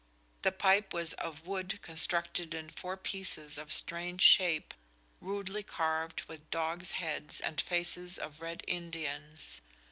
The pipe was of wood constructed in four pieces of strange shape, rudely carved with dogs' heads and faces of Red Indians.